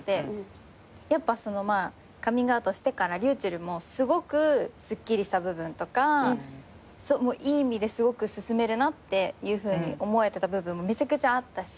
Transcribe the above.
やっぱカミングアウトしてからｒｙｕｃｈｅｌｌもすごくすっきりした部分とかいい意味ですごく進めるなっていうふうに思えてた部分もめちゃくちゃあったし。